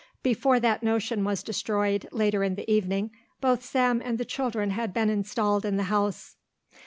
Before that notion was destroyed, later in the evening, both Sam and the children had been installed in the house.